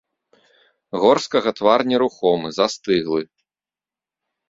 Горскага твар нерухомы, застыглы.